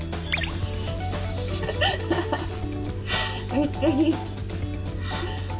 めっちゃ元気。